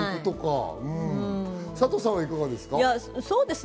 サトさん、いかがですか？